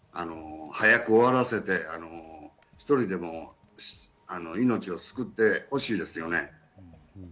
早く終わらせて、１人でも命を救ってほしいですよね。